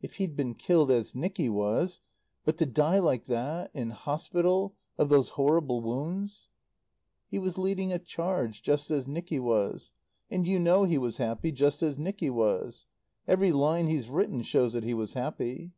"If he'd been killed as Nicky was but to die like that, in the hospital of those horrible wounds." "He was leading a charge, just as Nicky was. And you know he was happy, just as Nicky was. Every line he's written shows that he was happy."